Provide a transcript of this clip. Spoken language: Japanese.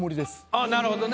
あっなるほどね。